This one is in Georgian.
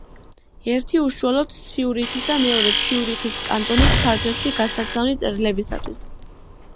ერთი უშუალოდ ციურიხის და მეორე ციურიხის კანტონის ფარგლებში გასაგზავნი წერილებისათვის.